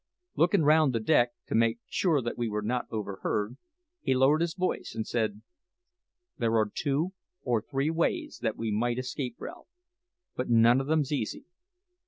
Looking round the deck to make sure that we were not overheard, he lowered his voice and said, "There are two or three ways that we might escape, Ralph, but none o' them's easy.